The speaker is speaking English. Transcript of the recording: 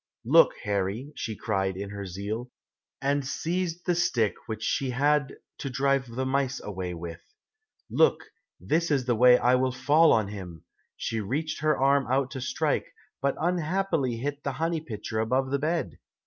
Look, Harry," cried she in her zeal, and seized the stick which she had to drive the mice away with, "Look, this is the way I will fall on him!" She reached her arm out to strike, but unhappily hit the honey pitcher above the bed.